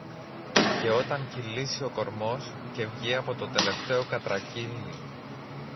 Και όταν κυλήσει ο κορμός και βγει από το τελευταίο κατρακύλι